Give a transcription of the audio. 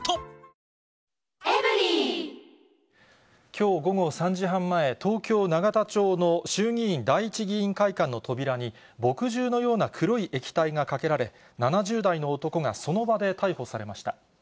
きょう午後３時半前、東京・永田町の衆議院第一議員会館の扉に墨汁のような黒い液体がかけられ、７０代の男がその場で逮捕されました。